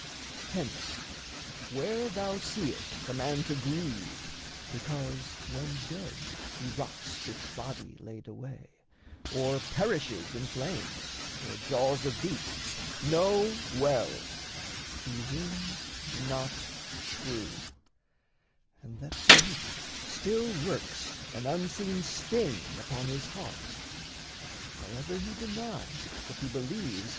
Hence, where thou seest a man to grieve because When dead he rots with body laid away, Or perishes in flames or jaws of beasts, Know well: he rings not true, and that beneath Still works an unseen sting upon his heart, However he deny that he believes.